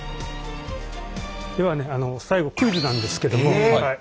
ではね最後クイズなんですけども。